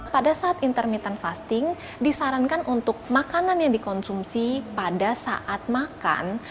pada saat intermittent fasting disarankan untuk makanan yang dikonsumsi pada saat makan